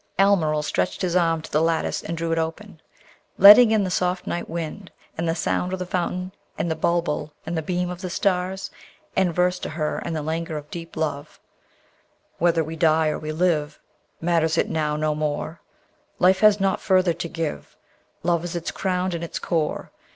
Almeryl stretched his arm to the lattice, and drew it open, letting in the soft night wind, and the sound of the fountain and the bulbul and the beam of the stars, and versed to her in the languor of deep love: Whether we die or we live, Matters it now no more: Life has nought further to give: Love is its crown and its core.